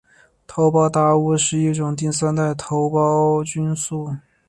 头孢达肟是一种第三代头孢菌素。